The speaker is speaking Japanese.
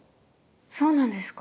そうなんですか？